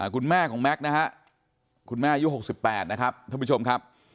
คุณแม่ของแม็กซ์นะฮะคุณแม่อายุ๖๘นะครับท่านผู้ชมครับ